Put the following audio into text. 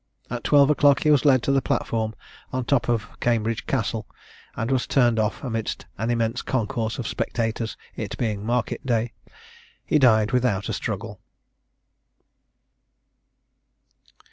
At twelve o'clock he was led to the platform, on the top of Cambridge Castle, and was turned off amidst an immense concourse of spectators, it being market day. He died without a struggle.